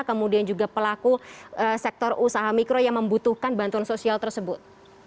kemudian juga pelaku sektor usaha mikro yang membutuhkan bantuan sosial tersebut